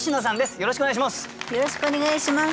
よろしくお願いします。